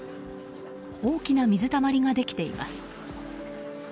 大きな水たまりができています。